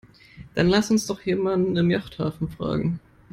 Dann lass uns doch jemanden im Yachthafen fragen.